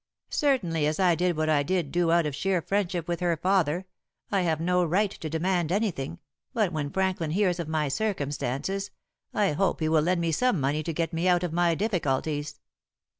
Certainly as I did what I did do out of sheer friendship with her father, I have no right to demand anything, but when Franklin hears of my circumstances I hope he will lend me some money to get me out of my difficulties."